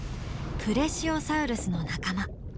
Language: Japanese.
プレシオサウルスの仲間。